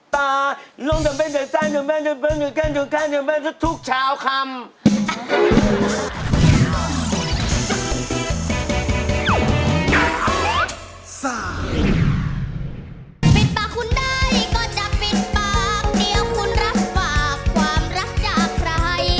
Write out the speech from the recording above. ฐุกเช้าคำ